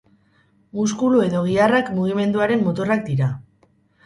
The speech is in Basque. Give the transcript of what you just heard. Muskulu edo giharrak mugimenduaren motorrak dira.